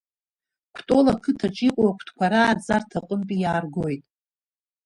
Кутол ақытаҿ иҟоу акәтқәа рааӡарҭа аҟынтәи иааргоит.